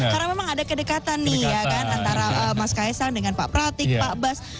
karena memang ada kedekatan nih ya kan antara mas kaisang dengan pak pratik pak bas